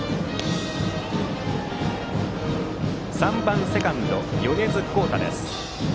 ３番セカンド、米津煌太です。